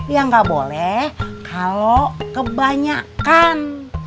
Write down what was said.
ya nggak boleh kalau kebanyakan